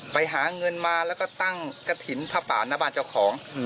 ไปหาเงินมาแล้วก็ตั้งกระถิ่นผ้าป่าหน้าบ้านเจ้าของ